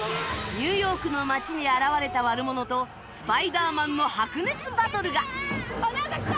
ニューヨークの街に現れた悪者とスパイダーマンの白熱バトルがなんか来た！